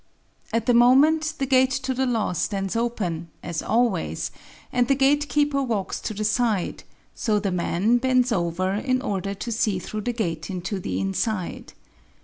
At the moment the gate to the law stands open, as always, and the gatekeeper walks to the side, so the man bends over in order to see through the gate into the inside.